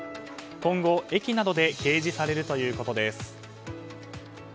今後、駅などで掲示されるということです。